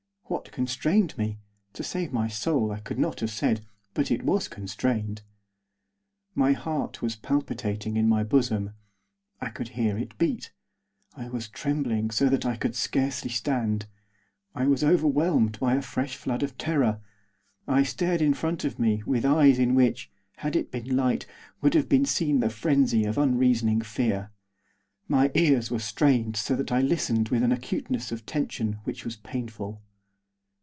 What constrained me, to save my soul I could not have said, but I was constrained. My heart was palpitating in my bosom; I could hear it beat. I was trembling so that I could scarcely stand. I was overwhelmed by a fresh flood of terror. I stared in front of me with eyes in which, had it been light, would have been seen the frenzy of unreasoning fear. My ears were strained so that I listened with an acuteness of tension which was painful.